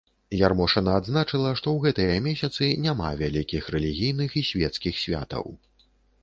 Ярмошына адзначыла, што ў гэтыя месяцы няма вялікіх рэлігійных і свецкіх святаў.